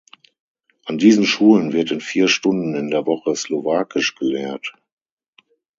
An diesen Schulen wird in vier Stunden in der Woche slowakisch gelehrt.